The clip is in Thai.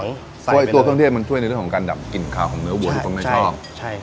น้อยตัวก๋วยเทศช่วยในเรื่องของการดำกลิ่นขาวของเนื้อ฽วนทุกคนไม่ชอบ